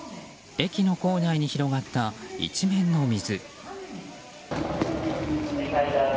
駅の構内に広がった、一面の水。